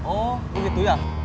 oh gitu ya